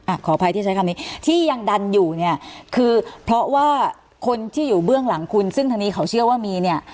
ขออภัยที่ใช้คำนี้ที่ยังดันอยู่เนี่ยคือเพราะว่าคนที่อยู่เบื้องหลังคุณซึ่งทางนี้เขาเชื่อว่ามีเนี่ย